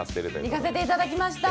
行かせていただきました。